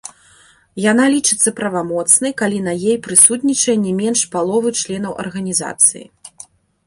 Яна лічыцца правамоцнай, калі на ей прысутнічае не менш паловы членаў арганізацыі.